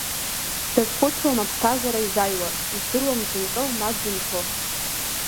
Дзазхәыцуам аԥсҭазаара изаҩуа, издыруам дзынҟьо ма дзынԥо.